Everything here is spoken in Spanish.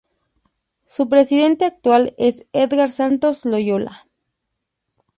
Su presidente actual es Edgar Santos Loyola.